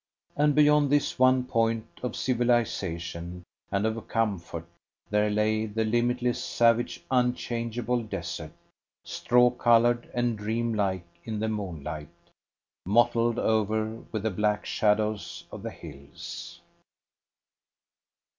And beyond this one point of civilisation and of comfort there lay the limitless, savage, unchangeable desert, straw coloured and dream like in the moonlight, mottled over with the black shadows of the hills.